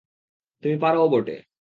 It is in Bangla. তুমি পারোও বটে।